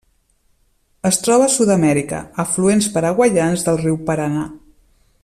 Es troba a Sud-amèrica: afluents paraguaians del riu Paranà.